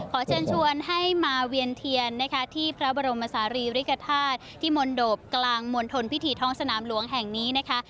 ขอเชิญชวนให้มาเวียนเทียนนะคะที่พระบรมศาลีริกฐาตุที่มนโดบกลางมณฑลพิธีท้องสนามหลวงแห่งนี้นะคะ